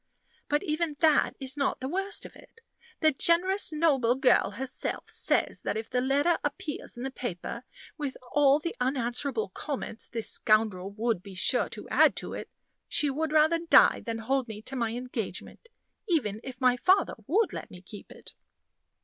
"But even that is not the worst of it. The generous, noble girl herself says that if the letter appears in the paper, with all the unanswerable comments this scoundrel would be sure to add to it, she would rather die than hold me to my engagement, even if my father would let me keep it."